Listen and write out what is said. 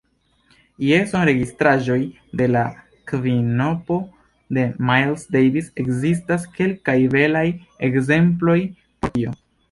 Je sonregistraĵoj de la kvinopo de Miles Davis ekzistas kelkaj belaj ekzemploj por tio.